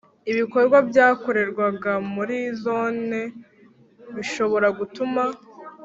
ibikorwa byakorerwaga muri Zone bishobora gutuma